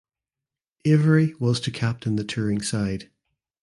Avery was to captain the touring side.